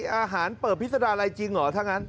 อาหารเปิดพิษดาลัยจริงเหรอถ้างั้น